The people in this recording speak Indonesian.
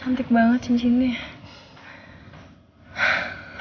cantik banget cincinnya